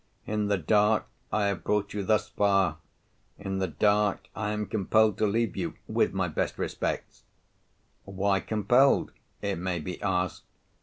In the dark, I have brought you thus far. In the dark I am compelled to leave you, with my best respects. Why compelled? it may be asked.